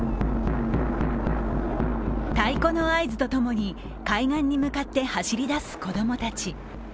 太鼓の合図と共に、海岸に向かって走り出す子供たち。